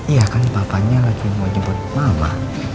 iya kan bapaknya lagi mau nyebut mama